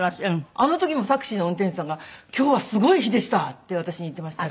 あの時もタクシーの運転手さんが「今日はすごい日でした」って私に言ってましたよ。